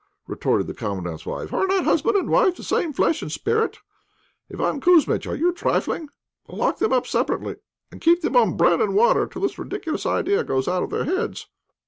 retorted the Commandant's wife, "are not husband and wife the same flesh and spirit? Iván Kouzmitch, are you trifling? Lock them up separately, and keep them on broad and water till this ridiculous idea goes out of their heads.